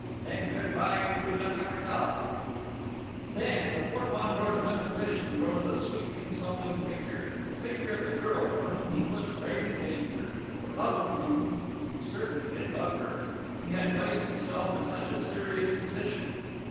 Then good bye to La Capitale!" Then, before Fandor's mental vision rose a sweet consoling figure, the figure of the girl for whom he was braving danger, for love of whom he certainly did love her he had placed himself in such a serious position....